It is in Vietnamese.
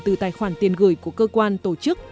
từ tài khoản tiền gửi của cơ quan tổ chức